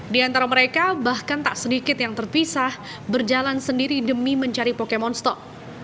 di antara mereka bahkan tak sedikit yang terpisah berjalan sendiri demi mencari pokemon stok